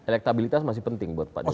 elektabilitas masih penting buat pak jokowi